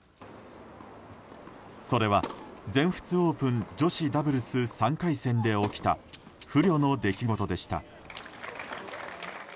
それは全仏オープン女子ダブルス３回戦で起きた不慮の出来事でした。